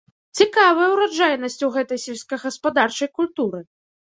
Цікавая ураджайнасць у гэтай сельскагаспадарчай культуры!